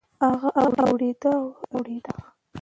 هغه اوړېده رااوړېده.